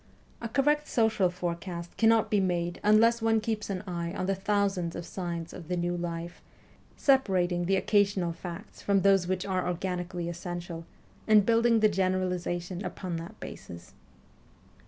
A correct social forecast cannot be made unless one keeps an eye on the thousands of signs of the new life, separating the occasional facts from those which are organically essential, and build ing the generalization upon that basis.